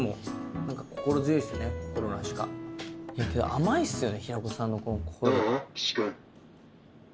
甘いっすよね平子さんのこの声。